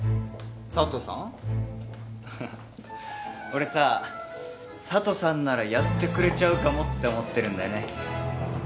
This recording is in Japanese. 俺さ佐都さんならやってくれちゃうかもって思ってるんだよね。